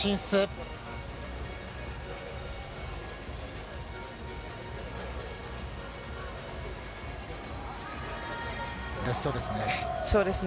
うれしそうですね。